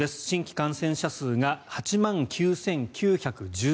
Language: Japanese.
新規感染者数が８万９９１３人。